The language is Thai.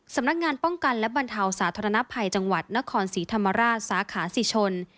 สำนักงานป้องกันและบรรเทาสาธารณภัยจังหวัดนครศรีธรรมราชสาขาศิชน